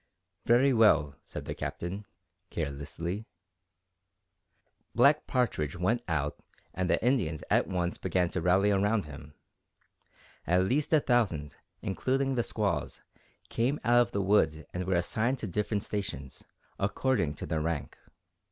"Very well," said the Captain, carelessly. Black Partridge went out and the Indians at once began to rally around him. At least a thousand, including the squaws, came out of the woods and were assigned to different stations, according to their rank.